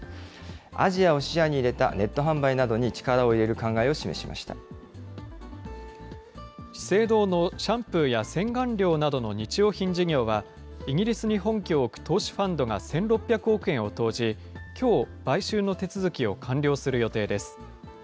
アジアを視野に入れたネット販売などに力を入れる考えを示しまし資生堂のシャンプーや洗顔料などの日用品事業は、イギリスに本拠を置く投資ファンドが１６００億円を投じ、きょう、買収の手続きを完了する予定です。